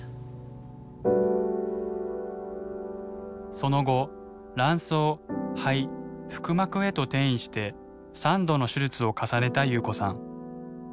その後卵巣肺腹膜へと転移して３度の手術を重ねた夕子さん。